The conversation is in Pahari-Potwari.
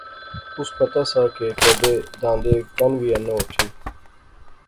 اس پتا سا کہ کیدے داندے کن وی اینا اٹھی